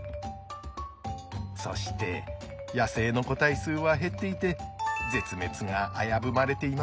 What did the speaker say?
そして野生の個体数は減っていて絶滅が危ぶまれています。